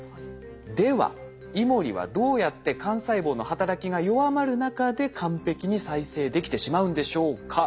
ではイモリはどうやって幹細胞の働きが弱まる中で完璧に再生できてしまうんでしょうか？